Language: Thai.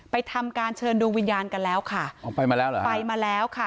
ทำการเชิญดวงวิญญาณกันแล้วค่ะอ๋อไปมาแล้วเหรอไปมาแล้วค่ะ